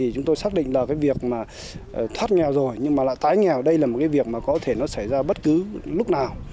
chúng tôi xác định là cái việc mà thoát nghèo rồi nhưng mà lại tái nghèo đây là một cái việc mà có thể nó xảy ra bất cứ lúc nào